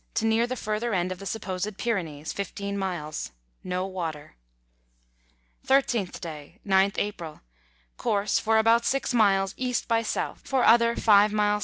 to near the further end of the supposed Pyrenees, 15 miles. No water. 13th day, 9th April. Course, for about 6 miles E. by S.; for other 5 miles S.